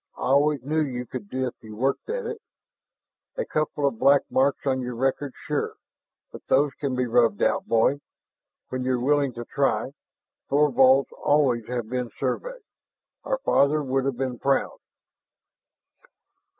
I always knew you could if you'd work for it. A couple of black marks on your record, sure. But those can be rubbed out, boy, when you're willing to try. Thorvalds always have been Survey. Our father would have been proud."